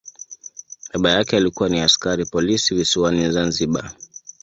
Baba yake alikuwa ni askari polisi visiwani Zanzibar.